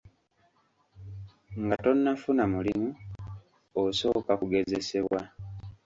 Nga tonafuna mulimu osooka kugezesebwa.